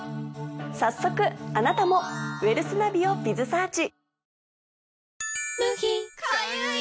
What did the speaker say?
早速あなたもウェルスナビをｂｉｚｓｅａｒｃｈ。